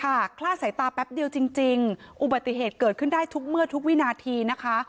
คลาดสายตาแป๊บเดียวจริงจริงอุบัติเหตุเกิดขึ้นได้ทุกเมื่อทุกวินาทีนะคะ